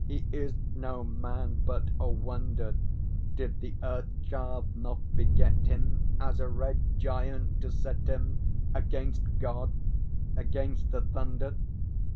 He is no man, but a wonder; Did the Earth Child not beget him, As a red Giant, to set him Against God, against the Thunder?